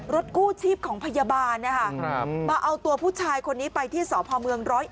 กู้ชีพของพยาบาลนะคะมาเอาตัวผู้ชายคนนี้ไปที่สพเมือง๑๐๑